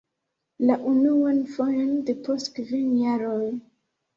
La unuan fojon depost kvin jaroj!